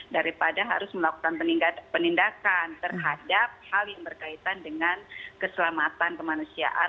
daripada harus melakukan penindakan terhadap hal yang berkaitan dengan keselamatan kemanusiaan